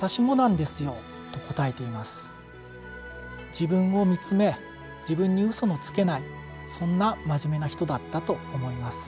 自分を見つめ自分にうそのつけない、そんな真面目な人だったと思います。